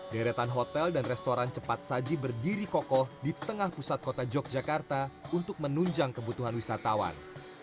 deretan hotel dan restoran cepat saji berdiri kokoh di tengah pusat kota yogyakarta untuk menunjang kebutuhan wisatawan